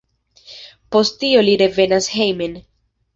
Post tio li revenas hejmen.